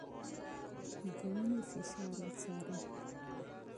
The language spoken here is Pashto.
د وينې فشار وڅاره